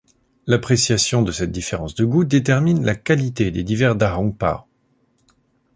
L'appréciation de cette différence de goût détermine la qualité des divers Da hong pao.